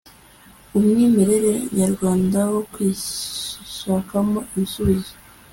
umwimerere nyarwanda no kwishakamo ibisubizo